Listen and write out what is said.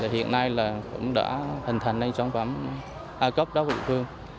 hiện nay cũng đã hình thành sản phẩm ocope đối với địa phương